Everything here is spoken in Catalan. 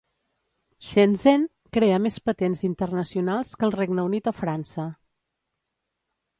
Shenzhen crea més patents internacionals que el Regne Unit o França.